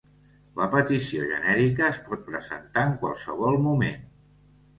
La petició genèrica es pot presentar en qualsevol moment.